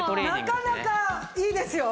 なかなかいいですよ。